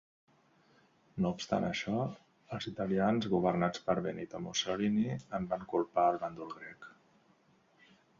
No obstant això, els italians, governats per Benito Mussolini, en van culpar el bàndol grec.